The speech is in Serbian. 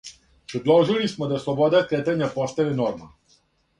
Предложили смо да слобода кретања постане норма.